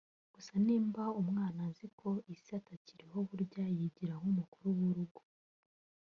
gusa nimba umwana aziko ise atakiriho buriya yigira nkumukuru wi rugo